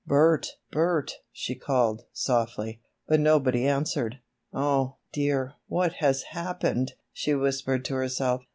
"Bert! Bert!" she called softly, but nobody answered. "Oh, dear, what has happened?" she whispered to herself.